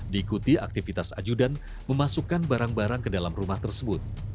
diikuti aktivitas ajudan memasukkan barang barang ke dalam rumah tersebut